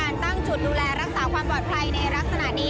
ตั้งจุดดูแลรักษาความปลอดภัยในลักษณะนี้